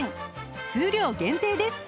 数量限定です